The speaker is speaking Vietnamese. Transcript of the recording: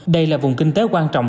đây là vùng kinh tế quan trọng